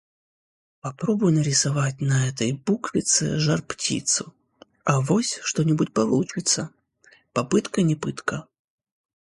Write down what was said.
Попробуй нарисовать на этой буквице жар-птицу. Авось, что-нибудь получится! Попытка не пытка.